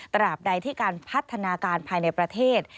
ตราบใดที่การพัฒนาการภายในประเทศ